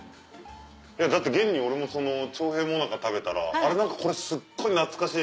だって現に俺も長平最中食べたらこれすっごい懐かしい。